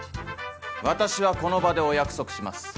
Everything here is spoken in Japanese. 私はこの場でお約束します。